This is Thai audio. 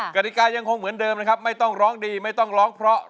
กฎิกายังคงเหมือนเดิมนะครับไม่ต้องร้องดีไม่ต้องร้องเพราะ